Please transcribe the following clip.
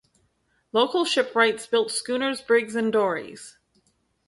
Local shipwrights built schooners, brigs and dories.